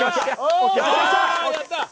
やったー！